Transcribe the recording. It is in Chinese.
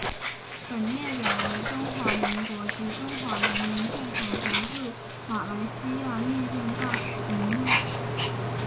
本列表为中华民国及中华人民共和国驻马来西亚历任大使名录。